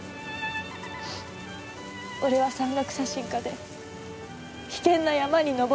「俺は山岳写真家で危険な山に登る事もある」